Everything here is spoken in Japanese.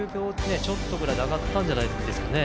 ちょっとくらいまで上がったんじゃないですかね。